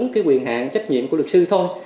mình không có quyền hạn trách nhiệm của luật sư thôi